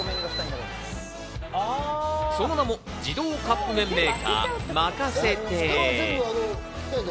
その名も、自動カップ麺メーカー、まかせ亭。